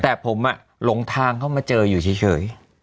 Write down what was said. แต่ผมหลงทางเข้ามาเจออยู่เฉย